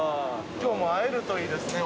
今日も会えるといいですね